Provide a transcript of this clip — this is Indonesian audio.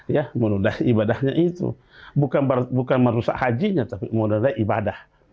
ya menodai ibadahnya itu bukan merusak hajinya tapi menodai ibadah